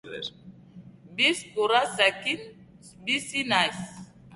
Bi gurasoekin bizi naiz.